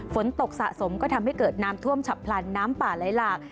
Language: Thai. ฝนตกสะสมก็ทำให้เกิดน้ำท่วมฉับพลันน้ำป่าไหลหลาก